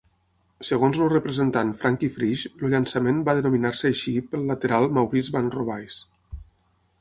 Segons el representant Frankie Frisch, el llançament va denominar-se així pel lateral Maurice Van Robays.